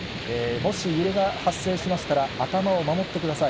もし揺れが発生しましたら、頭を守ってください。